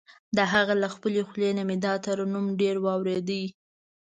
د هغه له خپلې خولې نه مې دا ترنم ډېر اورېده.